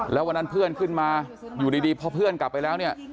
แล้ววันนั้นเพื่อนขึ้นมาอยู่ดีพอเพื่อนกลับไปแล้วเนี่ย